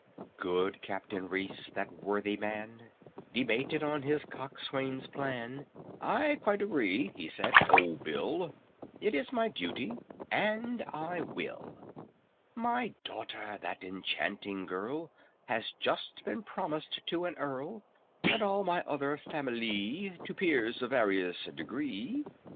Good CAPTAIN REECE, that worthy man, Debated on his coxswain's plan: "I quite agree," he said, "O BILL; It is my duty, and I will. "My daughter, that enchanting gurl, Has just been promised to an Earl, And all my other familee To peers of various degree.